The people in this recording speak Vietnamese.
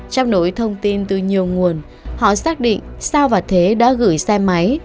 trong nỗi thông tin từ nhiều nguồn họ xác định sao và thế đã gửi xe máy